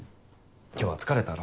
今日は疲れたろ。